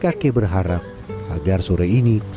kakek berharap agar sore ini